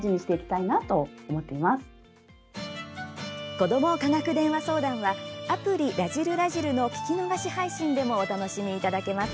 「子ども科学電話相談」はアプリ「らじる★らじる」の聞き逃し配信でもお楽しみいただけます。